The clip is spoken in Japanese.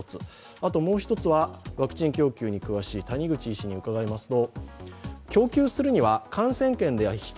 あともう一つはワクチン供給に詳しい谷口医師に聞きました。